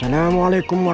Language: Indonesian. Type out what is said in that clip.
allahu akbar allahu akbar